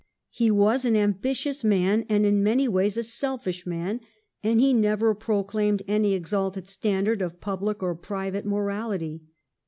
He was an ambitious man, in many ways a selfish man, and he never proclaimed any exalted standard of public or private morality.